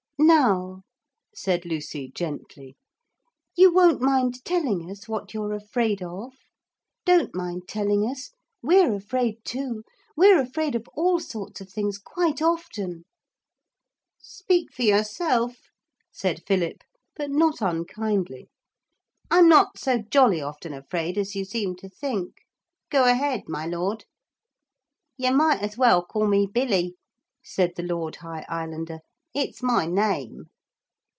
'Now,' said Lucy gently, 'you won't mind telling us what you're afraid of? Don't mind telling us. We're afraid too; we're afraid of all sorts of things quite often.' 'Speak for yourself,' said Philip, but not unkindly. 'I'm not so jolly often afraid as you seem to think. Go ahead, my Lord.' 'You might as well call me Billy,' said the Lord High Islander; 'it's my name.'